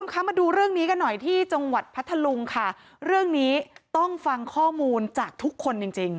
คะมาดูเรื่องนี้กันหน่อยที่จังหวัดพัทธลุงค่ะเรื่องนี้ต้องฟังข้อมูลจากทุกคนจริงจริง